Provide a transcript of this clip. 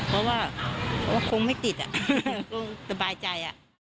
ไม่กังวลเพราะว่าคงไม่ติดคงสบายใจ